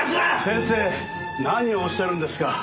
先生何をおっしゃるんですか。